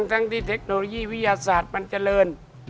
ทั้งที่เทคโนโลยีวิทยาศาสตร์มันเจริญ